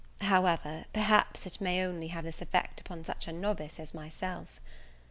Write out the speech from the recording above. However, perhaps it may only have this effect upon such a novice as myself.